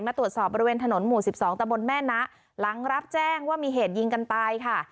มาตรวจสอบบริเวณถนนหมู่๑๒ตะบนแม่นะหลังรับแจ้งว่ามีเหตุยิงกันตายค่ะ